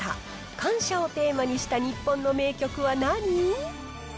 感謝をテーマにした日本の名曲は何？